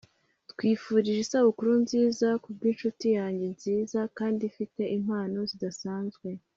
twifurije isabukuru nziza kubwinshuti yanjye nziza kandi ifite impano zidasanzwe